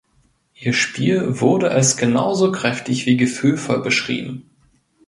Ihr Spiel wurde als genauso kräftig wie gefühlvoll beschrieben.